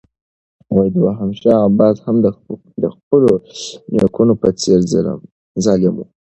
دوهم شاه عباس هم د خپلو نیکونو په څېر ظالم و.